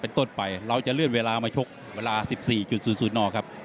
ต้นไปเราจะเลื่อนเวลามาชกเวลา๑๔๐๐นครับ